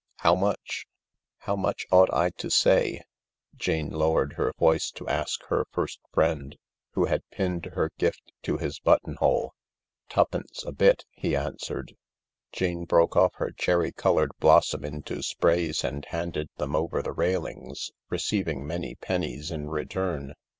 1 '" How much ?"" How much ought I to say ?" Jane lowered her voice to ask her first friend, who had pinned her gift to his button hole* "Twopence a bit," he answered. Jane broke off her cherry coloured blossom into sprays and handed them over the railings, receiving many pennies in return.